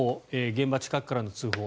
現場近くからの通報。